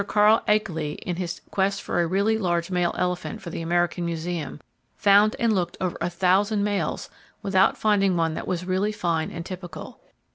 Carl Akeley, in his quest for a really large male elephant for the American Museum found and looked over a thousand males without finding one that was really fine and typical.